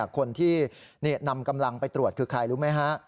คนที่นำกำลังไปตรวจคือใครรู้ไหมฮะ